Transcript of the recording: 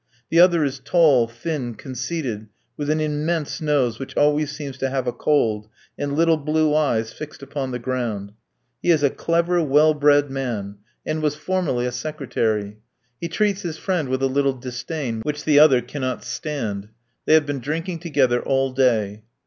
The other is tall, thin, conceited, with an immense nose, which always seems to have a cold, and little blue eyes fixed upon the ground. He is a clever, well bred man, and was formerly a secretary. He treats his friend with a little disdain, which the latter cannot stand. They have been drinking together all day.